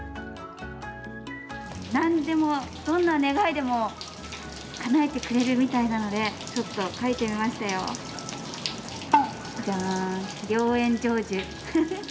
なんでも、どんな願いもかなえてくれるみたいなので書いてみましたよ、良縁成就！